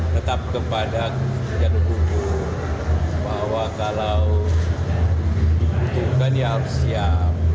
tetap kepada jaduh gugur bahwa kalau dibutuhkan ya harus siap